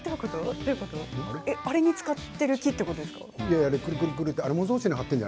あれに使っている木ということ？